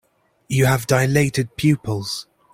You have dilated pupils.